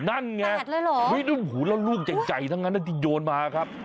นั่นไงแปดเลยเหรอโอ้โฮแล้วลูกใจทั้งนั้นที่โยนมาครับ